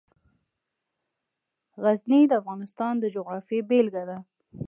غزني د افغانستان د جغرافیې بېلګه ده.